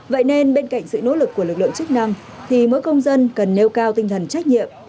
vậy nên bên cạnh sự nỗ lực của lực lượng chức năng thì mỗi công dân cần nêu cao tinh thần trách nhiệm